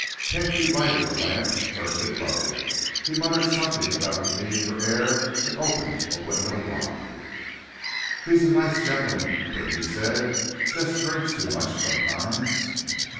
Pinky lighted a lamp, turned it low. He muttered something about the need for air and opened a window wide. "He's a nice gentleman," Pinky said. "Just drinks too much sometimes."